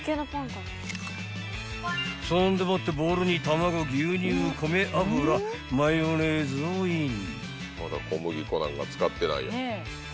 ［そんでもってボウルに卵牛乳こめ油マヨネーズをイン］